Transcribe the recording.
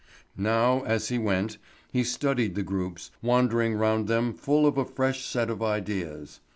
Now, as he went, he studied the groups, wandering round them full of a fresh set of ideas.